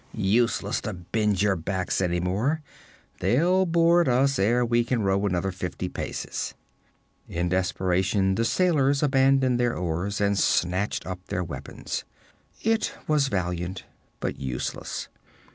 Useless to bend your backs any more: they'll board us ere we can row another fifty paces!' In desperation the sailors abandoned their oars and snatched up their weapons. It was valiant, but useless.